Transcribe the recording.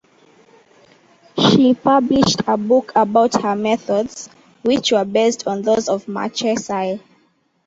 She published a book about her methods, which were based on those of Marchesi.